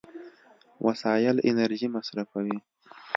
وسایل انرژي مصرفوي.